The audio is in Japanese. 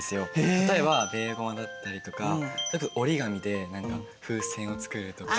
例えばベーゴマだったりとか折り紙で風船を作るとか。